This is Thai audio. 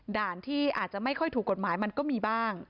ด่านที่อาจจะไม่ค่อยถูกกฎหมายมันก็มีบ้าง